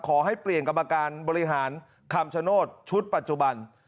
ขอให้เปลี่ยนกรรมการบริหารคำชโนธชุดปัจจุบัน